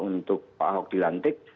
untuk pak ahok dilantik